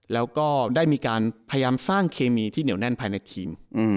แล้วก็ได้มีการพยายามสร้างเคมีที่เหนียวแน่นภายในทีม